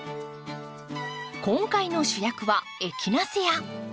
今回の主役はエキナセア。